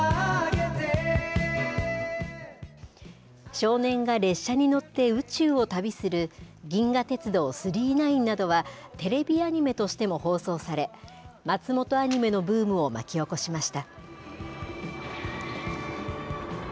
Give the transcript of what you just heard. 少年が列車に乗って宇宙を旅する銀河鉄道９９９などは、テレビアニメとしても放送され、松本アニメのブームを巻き起こしました。